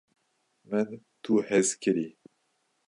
min tu hez kirî